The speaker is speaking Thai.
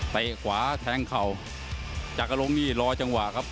เตะขวาแทงเข่าจากอารมณ์นี้รอจังหวะครับ